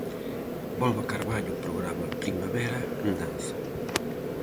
Volve a Carballo o programa "Primavera en danza".